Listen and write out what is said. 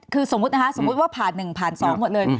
คือสมมติว่าผ่านหนึ่งผ่านสองหมดเลย